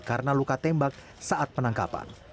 karena luka tembak saat penangkapan